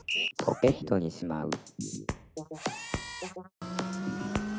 「ポケットにしまう」